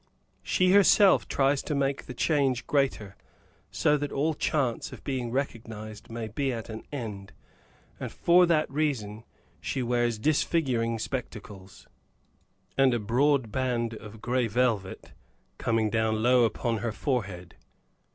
She herself tries to make the change greater, so that all chance of being recognized may be at an end, and for that reason she wears disfiguring spectacles, and a broad band of gray velvet, coming down low upon her forehead.